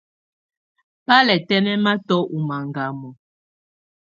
Bà lɛ̀ tɛnɛ̀matɔ̀ ù màgamɔ̀.